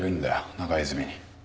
中泉に。